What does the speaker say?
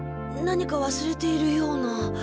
何かわすれているような？